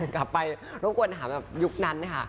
กลับไปรบกวนหาแบบยุคนั้นนะคะ